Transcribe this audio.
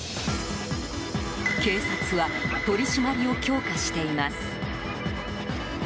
警察は取り締まりを強化しています。